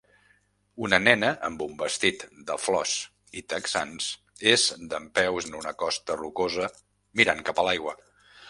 Una nena amb un vestit de flors i texans és dempeus en una costa rocosa mirant cap a l'aigua.